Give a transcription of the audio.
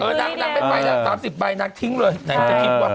เออนักไม่ไปนัก๓๐ใบนักทิ้งเลยไหนจะคิดว่ะ